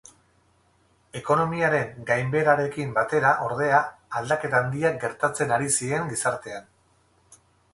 Ekonomiaren gainbeherarekin batera, ordea, aldaketa handiak gertatzen ari zien gizartean.